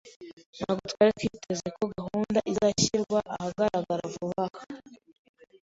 Ntabwo twari twiteze ko gahunda izashyirwa ahagaragara vuba aha.